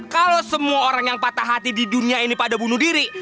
kalau semua orang yang patah hati di dunia ini pada bunuh diri